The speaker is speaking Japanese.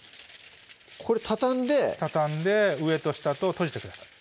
これ畳んで畳んで上と下と閉じてください